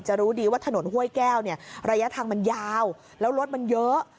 รู้ดีว่าถนนห้วยแก้วเนี่ยระยะทางมันยาวแล้วรถมันเยอะ